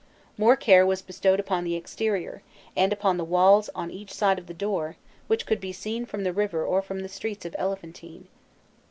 More care was bestowed upon the exterior, and upon the walls on each side of the door, which could be seen from the river or from the streets of Elephantine.